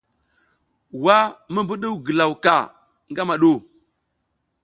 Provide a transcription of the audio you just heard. Wa mi mbuɗuw ngilaw ka ngama ɗu ?